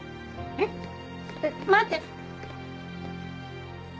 えっ待って！